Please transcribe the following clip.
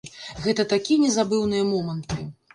Гэта такія незабыўныя моманты!